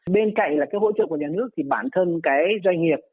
bên cạnh là cái hỗ trợ của nhà nước thì bản thân cái doanh nghiệp